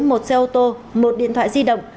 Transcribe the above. một xe ô tô một điện thoại di động